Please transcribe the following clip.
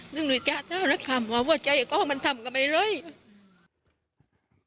หนึ่งหนูจะเท่านักคำว่าหัวใจก็มันทำกับไอ้เลย